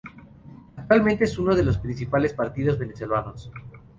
Actualmente es uno de los principales partidos venezolanos.